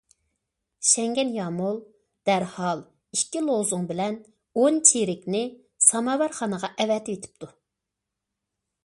شەڭگەن يامۇل دەرھال ئىككى لوزۇڭ بىلەن ئون چېرىكنى ساماۋارخانىغا ئەۋەتىۋېتىپتۇ.